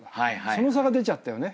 その差が出ちゃったよね。